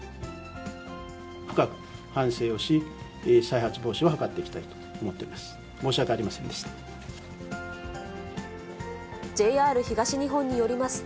深く反省をし、再発防止を図っていきたいと思っております。